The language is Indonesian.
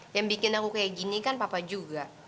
yang bikin aku kayak gini kan papa juga